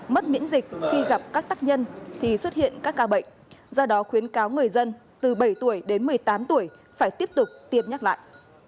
mất miễn dịch khi gặp các tác nhân thì xuất hiện các ca bệnh do đó khuyến cáo người dân từ bảy tuổi đến một mươi tám tuổi phải tiếp tục tiêm nhắc lại